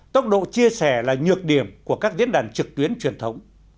tốc độ chia sẻ là nhược điểm của các diễn đàn trực tuyến truyền thống